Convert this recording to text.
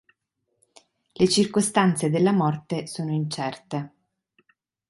Le circostanze della morte sono incerte.